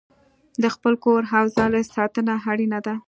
د خپل کور او ځالې ساتنه اړینه ده.